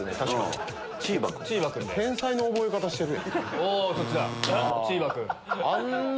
天才の覚え方してる。